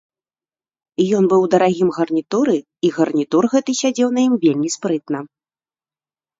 Ён быў у дарагім гарнітуры, і гарнітур гэты сядзеў на ім вельмі спрытна.